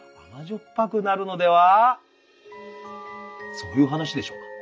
そういう話でしょうか？